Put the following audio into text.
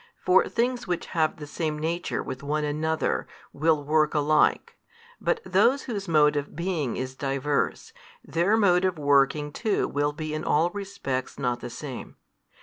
For things which have the same nature with one another, will work alike: but those whose mode of being is diverse, their mode of working too will |247 be in all respects not the same.